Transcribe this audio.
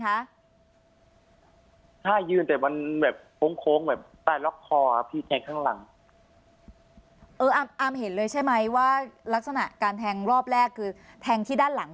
อาร์มเห็นเลยใช่ไหมว่าลักษณะการแทงรอบแรกแทงที่ด้านหลัง